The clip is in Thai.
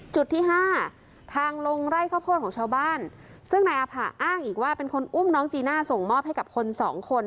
จุดที่ห้าทางลงไร่ข้าวโพดของชาวบ้านซึ่งนายอาผะอ้างอีกว่าเป็นคนอุ้มน้องจีน่าส่งมอบให้กับคนสองคน